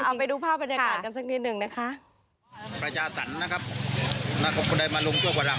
เอาไปดูภาพบรรยากาศกันสักนิดหนึ่งนะคะ